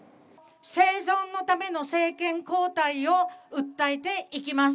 生存のための政権交代を訴えていきます。